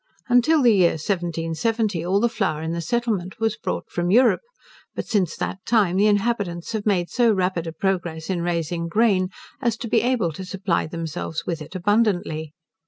Until the year 1770, all the flour in the settlement was brought from Europe; but since that time the inhabitants have made so rapid a progress in raising grain, as to be able to supply themselves with it abundantly.